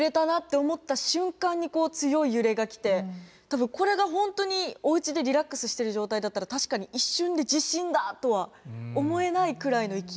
多分これが本当におうちでリラックスしてる状態だったら確かに一瞬で「地震だ！」とは思えないくらいの勢いですね。